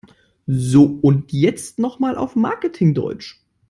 So, und jetzt noch mal auf Marketing-Deutsch!